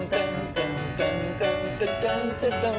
タンタンタンタタンタタン